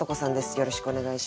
よろしくお願いします。